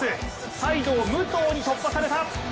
サイドを武藤に突破された。